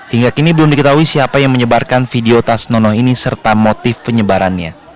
hingga kini belum diketahui siapa yang menyebarkan video tas nono ini serta motif penyebarannya